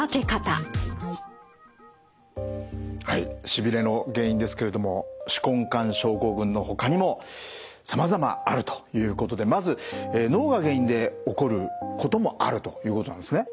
しびれの原因ですけれども手根管症候群のほかにもさまざまあるということでまず脳が原因で起こることもあるということなんですね？